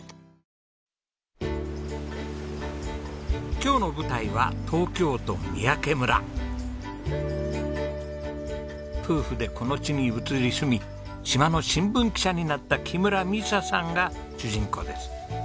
今日の舞台は夫婦でこの地に移り住み島の新聞記者になった木村美砂さんが主人公です。